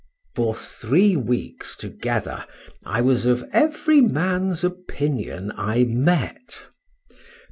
For three weeks together I was of every man's opinion I met.